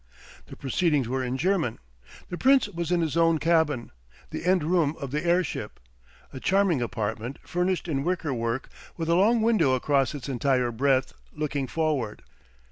The proceedings were in German. The Prince was in his own cabin, the end room of the airship, a charming apartment furnished in wicker work with a long window across its entire breadth, looking forward.